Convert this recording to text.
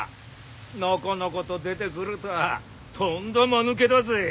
のこのこと出てくるとはとんだまぬけだぜ。